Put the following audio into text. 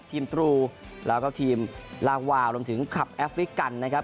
ทีมตรูแล้วก็ทีมลาวาลลงถึงคลับแอฟริกันนะครับ